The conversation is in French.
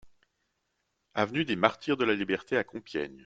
Avenue des Martyrs de la Liberté à Compiègne